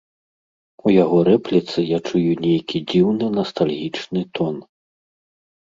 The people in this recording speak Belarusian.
У яго рэпліцы я чую нейкі дзіўны настальгічны тон.